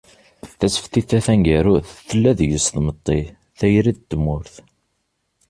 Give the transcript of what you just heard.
“Tasfift-a taneggarut tella deg-s tmetti, tayri d tmurt.